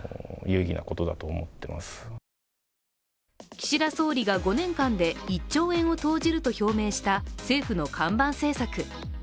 岸田総理が５年間で１兆円を投じると表明した政府の看板政策。